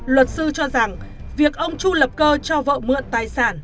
luật sư cho rằng việc ông chu lập cơ cho vợ mượn tài sản